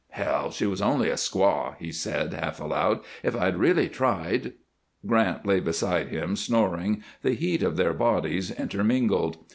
"Hell! She was only a squaw," he said, half aloud. "If I'd really tried " Grant lay beside him, snoring, the heat of their bodies intermingled.